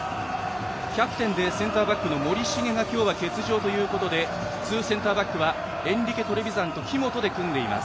キャプテンでセンターバックの森重が今日は欠場ということでツーセンターバックはエンリケ・トレヴィザンと木本で組んでいます。